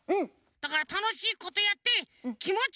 だからたのしいことやってきもち